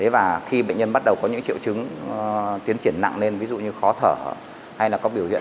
và khi bệnh nhân bắt đầu có những triệu chứng tiến triển nặng lên ví dụ như khó thở hay là có biểu hiện